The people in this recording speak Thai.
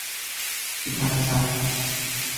พิทักษ์ทรัพย์